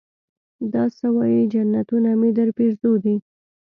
دا سه وايې جنتونه مې درپېرزو دي.